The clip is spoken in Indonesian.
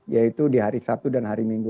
yaitu di hari sabtu dan hari minggu